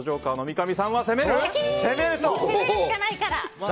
攻めるしかないから！